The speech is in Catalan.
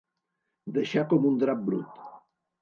Deixar com un drap brut.